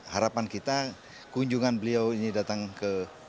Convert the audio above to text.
harapan kita kunjungan beliau ini datang ke